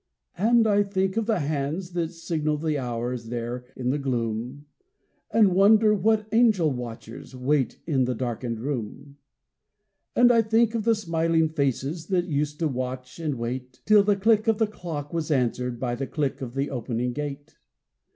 And I think of the hands that signal The hours there in the gloom, And wonder what angel watchers Wait in the darkened room. And I think of the smiling faces That used to watch and wait, Till the click of the clock was answered By the click of the opening gate.